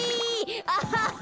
アハハ！